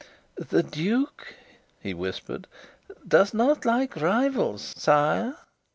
"The duke," he whispered, "does not like rivals, sire."